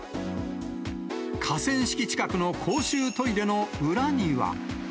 河川敷近くの公衆トイレの裏には。